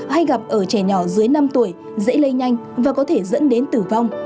hay gặp ở trẻ nhỏ dưới năm tuổi dễ lây nhanh và có thể dẫn đến tử vong